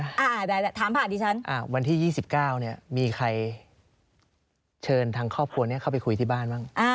แต่ถามผ่านดิฉันวันที่๒๙เนี่ยมีใครเชิญทางครอบครัวนี้เข้าไปคุยที่บ้านบ้าง